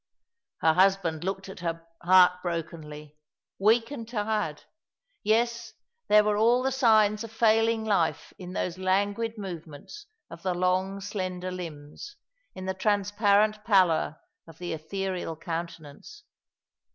Her husband looked at her heart brokenly. Weak and tired. Yes ; there were all the signs of failing life in those languid movements of the long, slender limbs, in the trans parent pallor of the ethereal countenance.